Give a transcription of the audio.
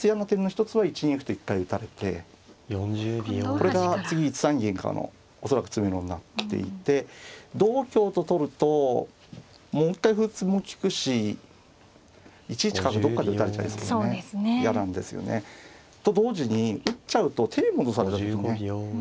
これが次１三銀からの恐らく詰めろになっていて同香と取るともう一回歩打ちも利くし１一角どっかで打たれちゃいそうでね嫌なんですよね。と同時に打っちゃうと手戻された時ね寄るかどうか。